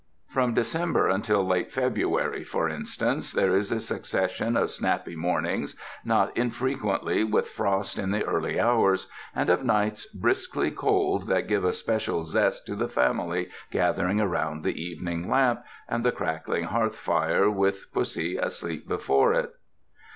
From December until late February, for instance, there is a succession of snappy mornings, not infre quently with frost in the early hours, and of nights briskly cold that give a special zest to the family gathering about the evening lamp and the crackling hearth firfc with pussy asleep before it.